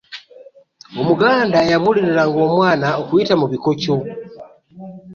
omuganda yabulilira nga omwa okuyita mu bikokyo